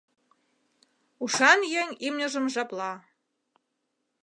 Ушан еҥ имньыжым жапла.